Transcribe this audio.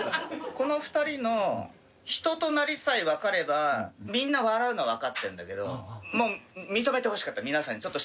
この２人の人となりさえわかればみんな笑うのはわかってるんだけど認めてほしかった皆さんに。